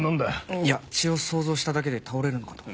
いや血を想像しただけで倒れるのかと思って。